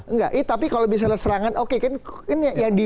enggak tapi kalau misalnya serangan oke kan